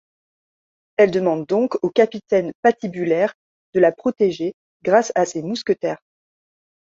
Elle demande donc au Capitaine Pat Hibulaire de la protéger grâce à ses mousquetaires.